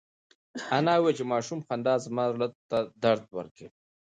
انا وویل چې د ماشوم خندا زما زړه ته درد ورکوي.